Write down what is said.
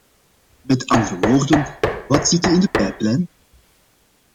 Met andere woorden, wat zit er in de pijplijn?